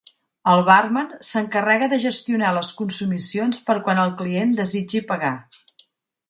El bàrman s'encarrega de gestionar les consumicions per quan el client desitgi pagar.